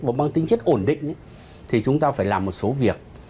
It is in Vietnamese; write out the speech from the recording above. và mang tính chất ổn định thì chúng ta phải làm một số việc